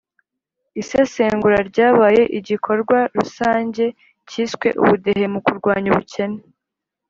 isesengura ryabyaye igikorwa rusange cyiswe « ubudehe mu kurwanya ubukene »